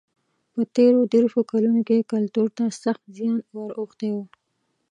په تېرو دېرشو کلونو کې کلتور ته سخت زیان ور اوښتی دی.